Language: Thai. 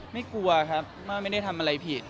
ไม่กลัวครับไม่ได้ทำอะไรผิด